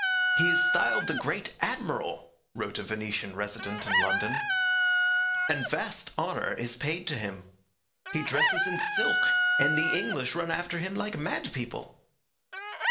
'He is styled the Great Admiral,' wrote a Venetian resident in London, 'and vast honour is paid to him. He dresses in silk, and the English run after him like mad people.'